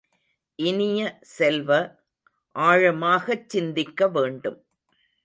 இனிய செல்வ, ஆழமாகச் சிந்திக்க வேண்டும்.